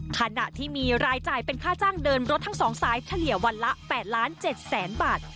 ขณะที่มีรายจ่ายเป็นค่าจ้างเดินรถทั้ง๒สายเฉลี่ยวันละ๘ล้าน๗แสนบาท